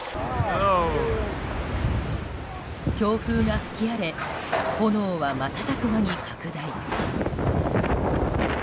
強風が吹き荒れ炎は瞬く間に拡大。